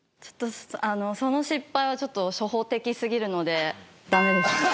その失敗はちょっと初歩的すぎるのでダメです。